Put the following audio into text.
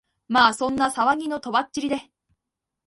まあそんな騒ぎの飛ばっちりで、